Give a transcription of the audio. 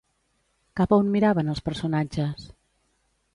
Cap a on miraven els personatges?